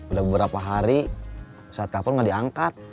udah beberapa hari saat telepon gak diangkat